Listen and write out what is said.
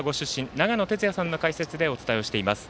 長野哲也さんの解説でお伝えをしています。